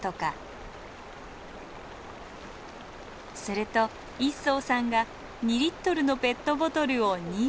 すると一双さんが２リットルのペットボトルを２本。